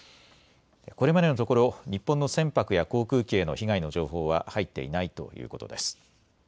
これまでのところ日本の船舶や航空機への被害の情報は入っていないということです。